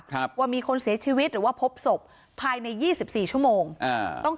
ค่ะว่ามีคนเสียชีวิตหรือว่าพบศพภายใน๒๔ชั่วโมงต้อง